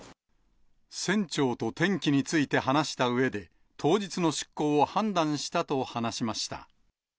船長と天気について話したうえで、当日の出航を判断したと話しました。